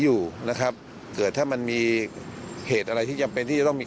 อยู่นะครับเกิดถ้ามันมีเหตุอะไรที่จำเป็นที่จะต้องมี